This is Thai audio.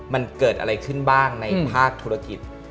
มันเกิดอะไรขึ้นบ้างในภาคธุรกิจ